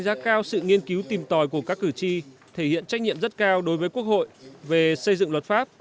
giá cao sự nghiên cứu tìm tòi của các cử tri thể hiện trách nhiệm rất cao đối với quốc hội về xây dựng luật pháp